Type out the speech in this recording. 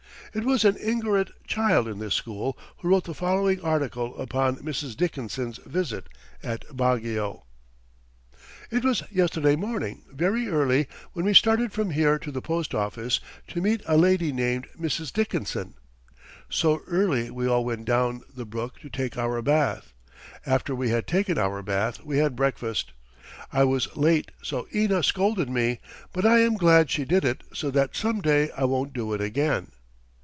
It was an Igorot child in this school who wrote the following article upon Mrs. Dickinson's visit at Baguio: "It was yesterday morning very early when we started from here to the Post Office to meet a lady named Mrs. Dickinson. So early we all went down the brook to take our bath. After we had taken our bath we had breakfast. I was late so Ina scolded me, but I am glad she did it so that some day I won't do it again.